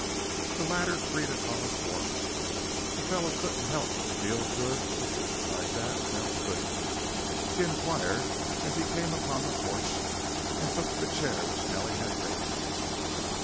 The latter greeted Hollis warmly. "A fellow couldn't help but feel good with a sister like that now could he?" he inquired as he came upon the porch and took the chair which Nellie had vacated.